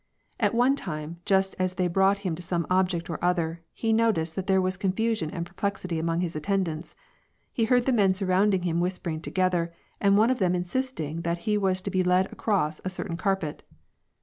At one time, just as they brought him to some object or other, he noticed that there was confusion and perplexity among his attendants. He heard the men surrounding him whispering together, and one of them insisting that he was to be led across a certain carpet.